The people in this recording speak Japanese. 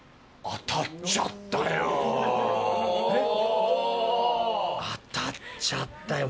当たっちゃったよ